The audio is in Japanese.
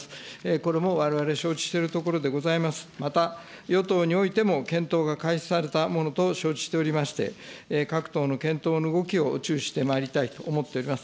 これもわれわれ承知しているところでありますが、また、与党においても検討が開始されたものと承知しておりまして、各党の検討の動きを注視してまいりたいと思っております。